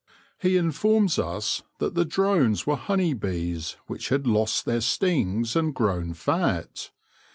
He informs us that the drones were honey bees which had lost their stings and grown fat.